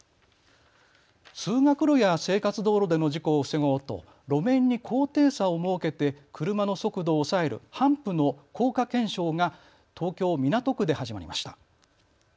通学路や生活道路での事故を防ごうと路面に高低差を設けて車の速度を抑えるハンプの効果検証が東京港区で始まりました。